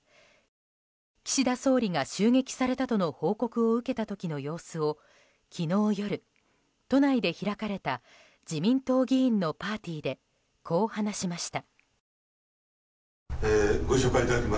岸田総理が襲撃されたとの報告を受けた時の様子を昨日夜、都内で開かれた自民党議員のパーティーでこう話しました。